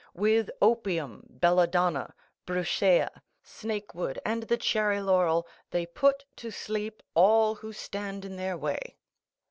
With opium, belladonna, brucea, snake wood, and the cherry laurel, they put to sleep all who stand in their way.